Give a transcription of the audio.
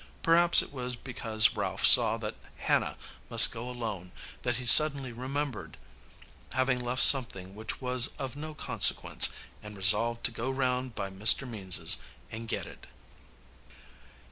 Perhaps it was because Ralph saw that Hannah must go alone that he suddenly remembered having left something which was of no consequence, and resolved to go round by Mr. Means's and get it.